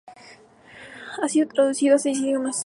Ha sido traducido a seis idiomas.